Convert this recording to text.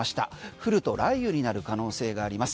降ると雷雨になる可能性があります。